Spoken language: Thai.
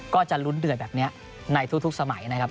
ก็จะลุ้นเดือดแบบนี้ในทุกสมัยนะครับ